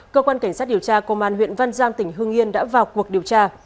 cơ quan cảnh sát điều tra công an huyện văn giang tỉnh hương yên đã vào cuộc điều tra